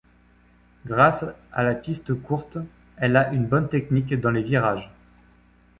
Grâce à la piste courte, elle a une bonne technique dans les virages.